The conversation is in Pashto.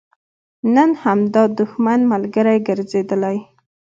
نن همدا دښمن ملګری ګرځېدلی.